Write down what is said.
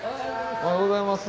おはようございます。